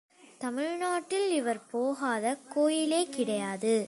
தமிழ்நாட்டில் இவர் போகாத கோயிலே கிடையாது.